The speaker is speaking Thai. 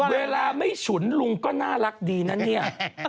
เวลาไม่ฉุนลุงก็น่ารักดีนะเนี่ย